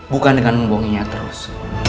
bukan dengan membohonginya terus